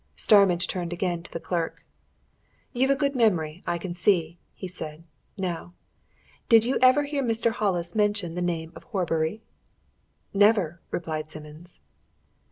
Starmidge turned again to the clerk. "You've a good memory, I can see," he said. "Now, did you ever hear Mr. Hollis mention the name of Horbury?" "Never!" replied Simmons.